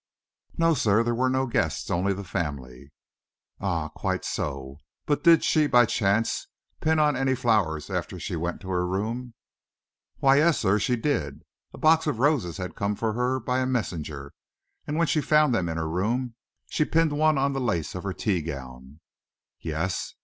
"No, sir. There were no guests only the family." "Ah, quite so. But did she, by chance, pin on any flowers after she went to her room?" "Why, yes, sir; she did. A box of roses had come for her by a messenger, and when she found them in her room, she pinned one on the lace of her teagown." "Yes?